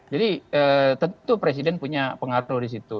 jadi tentu presiden punya pengaruh disitu